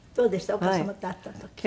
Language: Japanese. お母様と会った時。